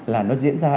là nó diễn ra